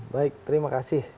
baik terima kasih